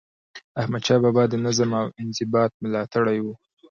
احمدشاه بابا د نظم او انضباط ملاتړی و.